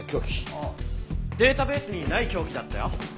ああデータベースにない凶器だったよ。